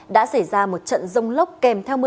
đã xảy ra một trận rông lốc kèm theo mưa